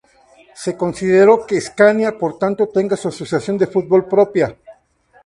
Se consideró que Escania por tanto tenga su asociación de fútbol propia.